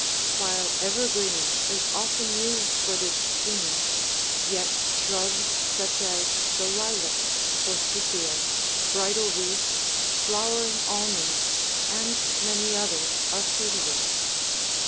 While evergreen is often used for this scheme, yet shrubs such as the lilac, forsythia, bridal wreath, flowering almond, and many others are suitable.